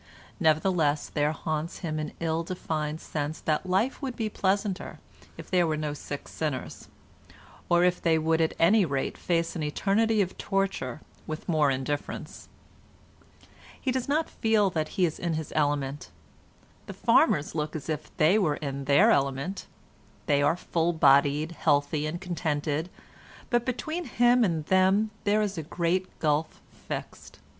Nevertheless there haunts him an ill defined sense that life would be pleasanter if there were no sick sinners, or if they would at any rate face an eternity of torture with more indifference. He does not feel that he is in his element. The farmers look as if they were in their element. They are full bodied, healthy and contented; but between him and them there is a great gulf fixed.